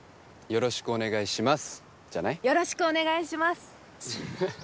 よろしくお願いします。